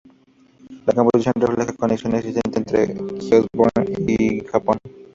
La composición refleja conexión existente entre Gisborne y Japón.